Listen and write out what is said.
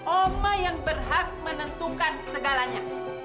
oma yang berhak menentukan segalanya